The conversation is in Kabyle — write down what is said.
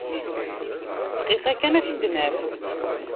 Dqiqa kan ad t-id-naf.